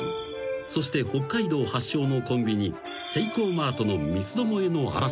［そして北海道発祥のコンビニセイコーマートの三つどもえの争いが］